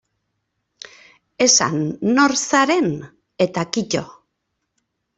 Esan nor zaren eta kito.